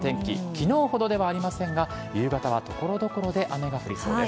昨日ほどではありませんが夕方は所々で雨が降りそうです。